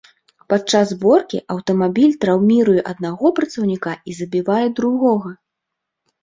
Падчас зборкі, аўтамабіль траўміруе аднаго працаўніка і забівае другога.